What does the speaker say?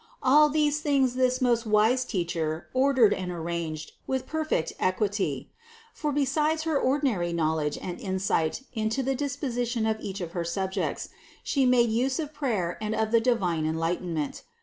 All these things this most wise Teacher ordered and arranged with perfect equity; for besides her Ordinary knowledge and insight into the dis positions of each of her subjects, She made use of prayer and of the divine enlightenment.